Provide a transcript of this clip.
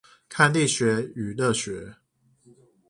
看力學與熱學